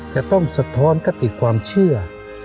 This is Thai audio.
จะต้องสะท้อนกะติความเชื่อ